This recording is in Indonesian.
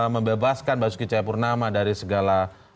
membebaskan basuki cahayapurnama dari segala